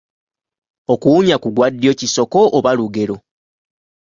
Okuwunya ku gwa ddyo kisoko oba lugero?